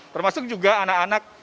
termasuk juga anak anak